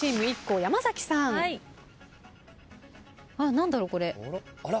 何だろうこれ？